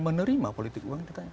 menerima politik uang